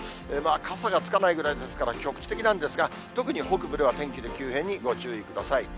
傘がつかないぐらいですから、局地的なんですが、特に北部では天気の急変にご注意ください。